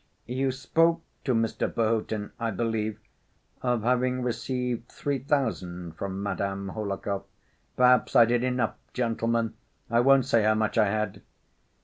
"You spoke to Mr. Perhotin, I believe, of having received three thousand from Madame Hohlakov." "Perhaps I did. Enough, gentlemen. I won't say how much I had."